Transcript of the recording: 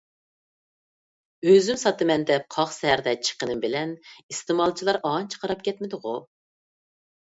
ئۈزۈم ساتىمەن دەپ قاق سەھەردە چىققىنىم بىلەن ئىستېمالچىلار ئانچە قاراپ كەتمىدىغۇ؟